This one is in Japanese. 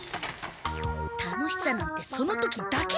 楽しさなんてその時だけだから！